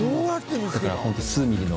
だからホント数ミリの。